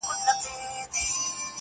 هره مور ده پرهارونه د ناصورو!.